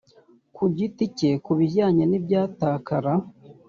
ku giti cye ku bijyanye n ibyatakara